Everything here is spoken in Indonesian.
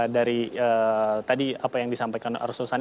dari tadi apa yang disampaikan arsul sani